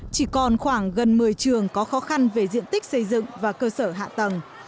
chỉ còn khoảng gần một mươi trường có khó khăn về diện tích xây dựng và cơ sở hạ tầng